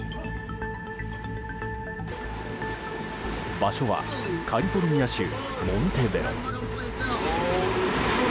場所はカリフォルニア州モンテベロ。